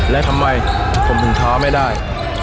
และทำไมผมถึงท้าไม่ได้